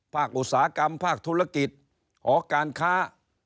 อุตสาหกรรมภาคธุรกิจหอการค้า